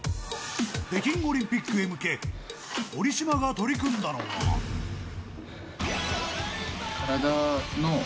北京オリンピックへ向け、堀島が取り組んだのは。